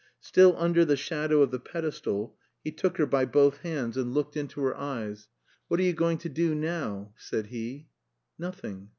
Still under the shadow of the pedestal, he took her by both hands and looked into her eyes. "What are you going to do now?" said he. "Nothing.